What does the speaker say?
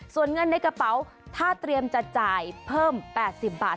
ส่วนเงินในกระเป๋าถ้าเตรียมจะจ่ายเพิ่ม๘๐บาท